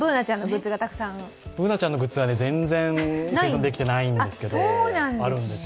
Ｂｏｏｎａちゃんのグッズは全然生産できてないんですけどあるんです。